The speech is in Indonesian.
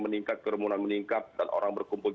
meningkat kerumunan meningkat dan orang berkumpul